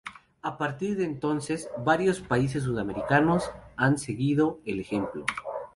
A partir de entonces, varios países sudamericanos han seguido el ejemplo.